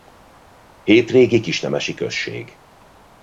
Hét régi kisnemesi község.